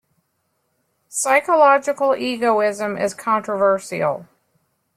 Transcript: Psychological egoism is controversial.